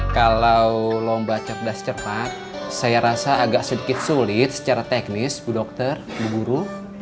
kalau lomba cerdas cermat saya rasa agak sedikit sulit secara teknis ibu dokter ibu guru